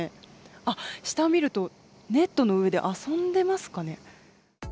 あっ、下見ると、ネットの上で遊んでますかね。